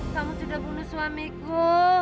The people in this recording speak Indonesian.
kamu sudah bunuh suamiku